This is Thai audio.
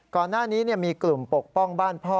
ก่อนหน้านี้มีกลุ่มปกป้องบ้านพ่อ